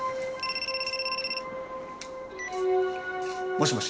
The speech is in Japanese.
もしもし。